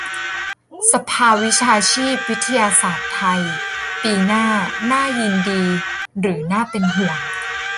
"สภาวิชาชีพวิทยาศาสตร์ไทย" ปีหน้า - น่ายินดีหรือน่าเป็นห่วง ?